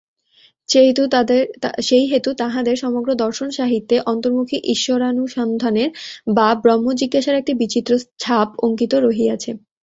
সেইহেতু তাঁহাদের সমগ্র দর্শন-সাহিত্যে অন্তর্মুখী ঈশ্বরানুসন্ধানের বা ব্রহ্মজিজ্ঞাসার একটি বিচিত্র ছাপ অঙ্কিত রহিয়াছে।